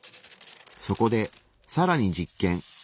そこでさらに実験。